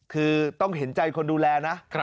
คือต้องเห็นใจคนดูแลนะ